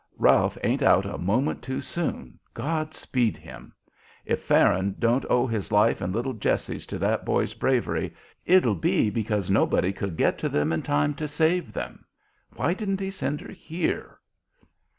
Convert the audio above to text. Ralph ain't out a moment too soon. God speed him! If Farron don't owe his life and little Jessie's to that boy's bravery, it'll be because nobody could get to them in time to save them. Why didn't he send her here?"